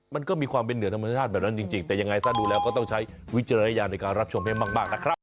มันก็มีความเป็นเหนือธรรมชาติแบบนั้นจริงแต่ยังไงซะดูแล้วก็ต้องใช้วิจารณญาณในการรับชมให้มากนะครับ